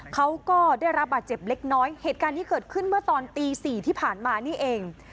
เขาก็ได้รับบาดเจ็บเล็กน้อยเหตุการณ์นี้เกิดขึ้นเมื่อตอนตี๔ที่ผ่านมานี่เอง